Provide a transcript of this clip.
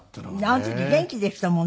あの時元気でしたもんね